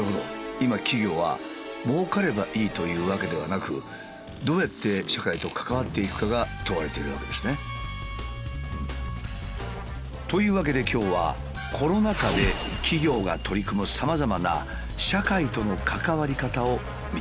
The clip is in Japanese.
今企業はもうかればいいというわけではなくどうやって社会と関わっていくかが問われてるわけですね。というわけで今日はコロナ禍で企業が取り組むさまざまな社会との関わり方を見ていきます。